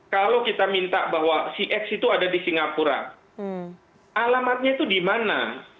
kalau kita minta bahwa cx itu ada di singapura alamatnya itu di mana